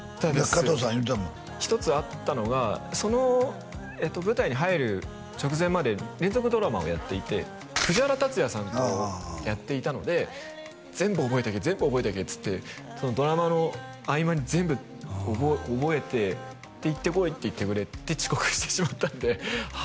加藤さん言うてたもん一つあったのがそのえっと舞台に入る直前まで連続ドラマをやっていて藤原竜也さんとやっていたので全部覚えてけ全部覚えてけっつってそのドラマの合間に全部覚えてで行ってこいって言ってくれて遅刻してしまったんであ